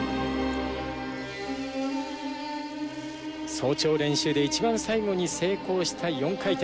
早朝練習で一番最後に成功した４回転。